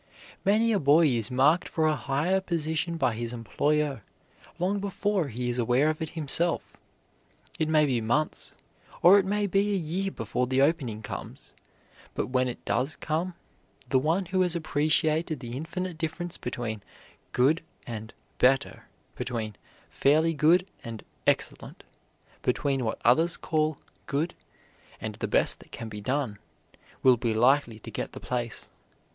Many a boy is marked for a higher position by his employer long before he is aware of it himself. It may be months, or it may be a year before the opening comes, but when it does come the one who has appreciated the infinite difference between "good" and "better," between "fairly good" and "excellent," between what others call "good" and the best that can be done, will be likely to get the place.